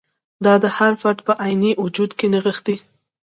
دا د هر فرد په عیني وجود کې نغښتی.